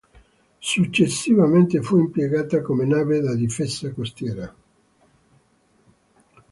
Successivamente fu impiegata come nave da difesa costiera.